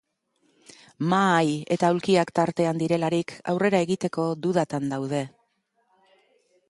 Mahai eta aulkiak tartean direlarik aurrera egiteko dudatan daude.